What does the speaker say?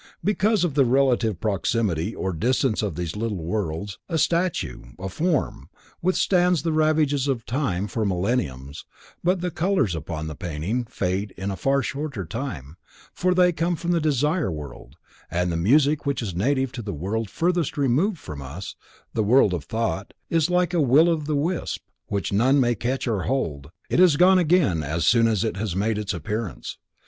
Because of the relative proximity or distance of these worlds, a statue, a form, withstands the ravages of time for millenniums, but the colors upon a painting fade in far shorter time, for they come from the Desire World, and music which is native to the World furthest removed from us, the World of Thought, is like a will o the wisp which none may catch or hold, it is gone again as soon as it has made its appearance.